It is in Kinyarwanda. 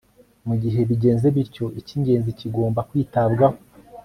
Mu gihe bigenze bityo icyingenzi kigomba kwitabwaho